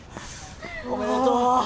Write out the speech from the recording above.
おめでとう。